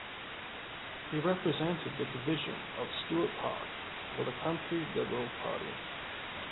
He represented the division of Stuart Park for the Country Liberal Party.